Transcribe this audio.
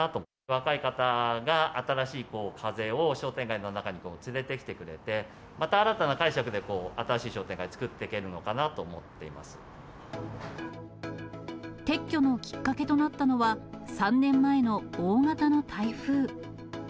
若い方が新しい風を商店街の中に連れてきてくれて、また新たな解釈で新しい商店街を作っていけるのかなと思っていま撤去のきっかけとなったのは、３年前の大型の台風。